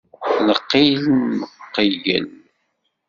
Lqil nqeyyel.